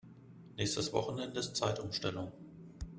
Nächstes Wochenende ist Zeitumstellung.